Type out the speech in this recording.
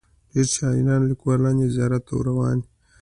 ډیر شاعران لیکوالان یې زیارت ته ور روان وي.